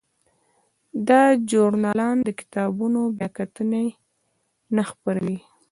دا ژورنال د کتابونو بیاکتنې نه خپروي.